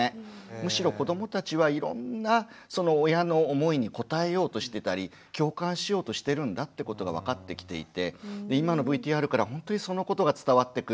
むしろ子どもたちはいろんなその親の思いに応えようとしてたり共感しようとしてるんだってことが分かってきていて今のＶＴＲからほんとにそのことが伝わってくる。